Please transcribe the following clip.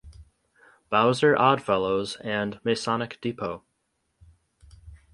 Bowser Odd Fellows and Masonic Depot.